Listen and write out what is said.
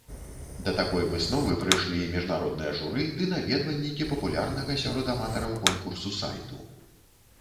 Да такой высновы прыйшлі міжнароднае журы ды наведвальнікі папулярнага сярод аматараў конкурсу сайту.